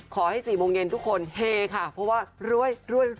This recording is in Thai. ๔โมงเย็นทุกคนเฮค่ะเพราะว่ารวย